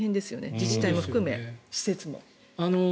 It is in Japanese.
自治体も含め、施設も。